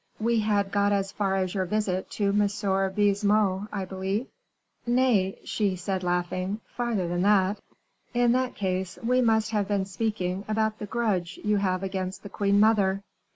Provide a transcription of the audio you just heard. "We had got as far as your visit to M. Baisemeaux, I believe?" "Nay," she said, laughing, "farther than that." "In that case we must have been speaking about the grudge you have against the queen mother."